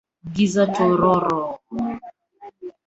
Giza tororo.